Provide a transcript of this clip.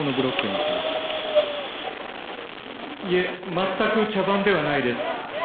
全く茶番ではないです。